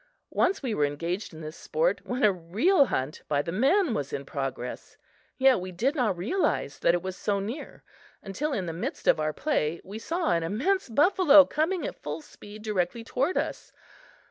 Once we were engaged in this sport when a real hunt by the men was in progress; yet we did not realize that it was so near until, in the midst of our play, we saw an immense buffalo coming at full speed directly toward us.